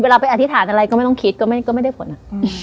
ไปอธิษฐานอะไรก็ไม่ต้องคิดก็ไม่ได้ผลอ